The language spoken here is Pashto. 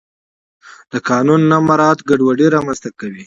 د قانون نه مراعت ګډوډي رامنځته کوي